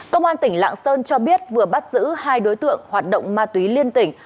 cơ quan tỉnh lạng sơn cho biết vừa bắt giữ hai đối tượng hoạt động ma túy liên tỉnh